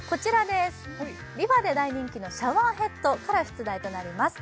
ＲｅＦａで大人気のシャワーヘッドから出題となります